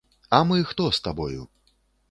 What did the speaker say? А мы хто з табою?